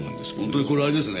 これはあれですね。